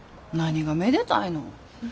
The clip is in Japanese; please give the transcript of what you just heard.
何がめでたいの。